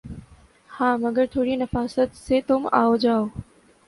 ہاں مگر تھوڑی نفاست سے تُم آؤجاؤ